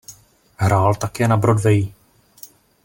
Hrál také na Broadwayi.